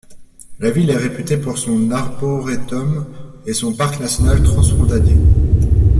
La ville est réputée pour son arboretum et son parc national transfrontalier.